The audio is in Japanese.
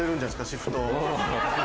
シフト。